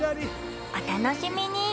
楽しみに！